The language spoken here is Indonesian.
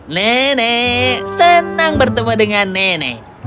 nenek senang bertemu dengan nenek